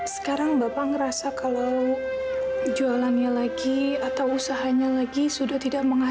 sampai jumpa di video selanjutnya